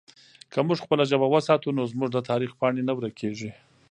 که موږ خپله ژبه وساتو نو زموږ د تاریخ پاڼې نه ورکېږي.